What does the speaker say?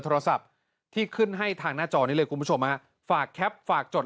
โทรศัพท์ที่ขึ้นให้ทางหน้าจอนี้เลยคุณผู้ชมฮะฝากแคปฝากจด